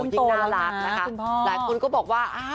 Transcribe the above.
ยิ่งน่ารักนะคะและคุณก็บอกว่า